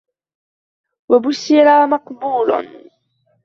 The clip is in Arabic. وَبِشْرٌ مَقْبُولٌ